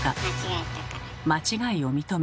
間違いを認め